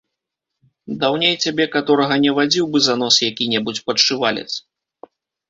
Даўней цябе каторага не вадзіў бы за нос які-небудзь падшывалец.